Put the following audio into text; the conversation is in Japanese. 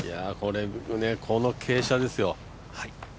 この傾斜ですよ。